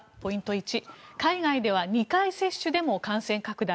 １海外では２回接種でも感染拡大。